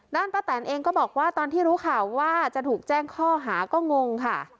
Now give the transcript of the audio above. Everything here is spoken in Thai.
ป้าแตนเองก็บอกว่าตอนที่รู้ข่าวว่าจะถูกแจ้งข้อหาก็งงค่ะ